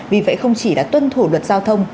vì vậy không chỉ đã tuân thủ luật giao thông